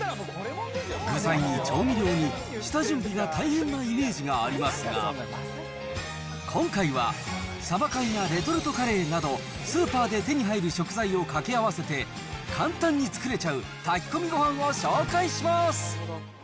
具材に調味料に、下準備が大変なイメージがありますが、今回はサバ缶やレトルトカレーなど、スーパーで手に入る食材を掛け合わせて、簡単に作れちゃう炊き込みご飯を紹介します。